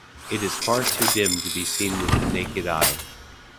It is far too dim to be seen with the naked eye.